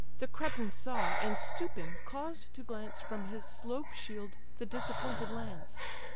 The Cretan saw; and, stooping, caused to glance From his slope shield the disappointed lance.